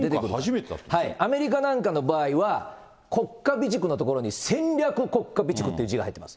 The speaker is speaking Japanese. アメリカなんかの場合は、国家備蓄のところに戦略国家備蓄という字が入ってます。